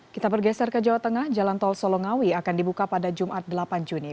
kita bergeser ke jawa tengah jalan tol solongawi akan dibuka pada jumat delapan juni